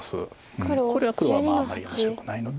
これは黒はあんまり面白くないので。